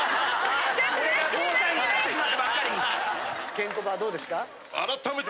ケンコバはどうでした？